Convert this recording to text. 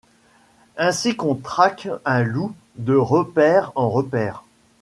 Ainsi qu’on traque un loup de repaire en repaire